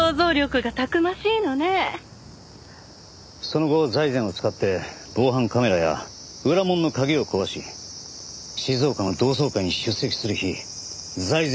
その後財前を使って防犯カメラや裏門の鍵を壊し静岡の同窓会に出席する日財前に行動を起こさせました。